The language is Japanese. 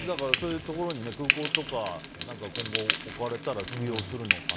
空港とか今後、置かれたら利用するのかな。